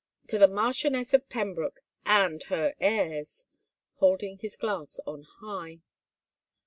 To the Marchioness oi Pembroke and her heirs!" holding his glass on high.